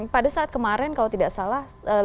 pada saat kemarin kalau tidak salah